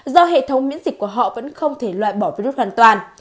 do hệ thống miễn dịch của họ vẫn không thể loại bỏ virus hoàn toàn